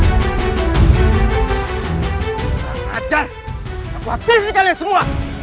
kutipanku lembah langkah word heavenlystop